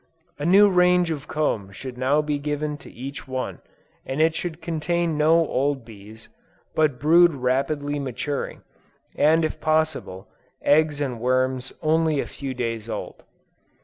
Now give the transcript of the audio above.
A new range of comb should now be given to each one, and it should contain no old bees, but brood rapidly maturing, and if possible, eggs and worms only a few days old.